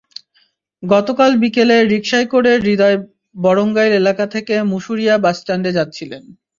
গতকাল বিকেলে রিকশায় করে হৃদয় বরঙ্গাইল এলাকা থেকে মুশুরিয়া বাসস্ট্যান্ডে যাচ্ছিলেন।